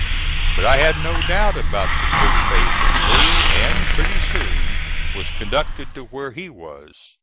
But I had no doubt about the good faith of Lee, and pretty soon was conducted to where he was.